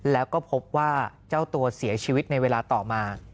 แล้วก็พบว่าเจ้าตัวเสียชีวิตในเวลาต่อมา